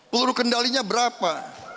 peluru kendalinya berapa